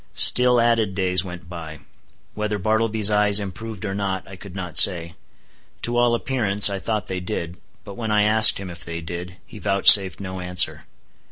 Still added days went by. Whether Bartleby's eyes improved or not, I could not say. To all appearance, I thought they did. But when I asked him if they did, he vouchsafed no answer.